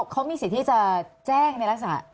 เขามีสิทธิจะแจ้งในรักษา